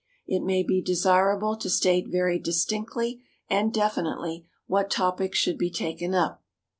It may be desirable to state very distinctly and definitely what topics should be taken up....